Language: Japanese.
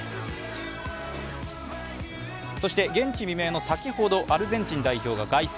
そして現地未明の先ほどアルゼンチン代表が凱旋。